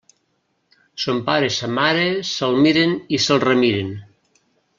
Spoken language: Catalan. Son pare i sa mare se'l miren i se'l remiren.